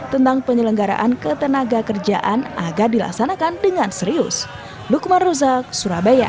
tentang penyelenggaraan ketenaga kerjaan agar dilaksanakan dengan serius